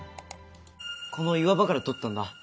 この岩場から撮ったんだ。